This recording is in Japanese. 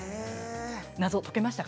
謎が解けましたか？